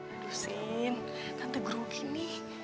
aduh sin tante grogi nih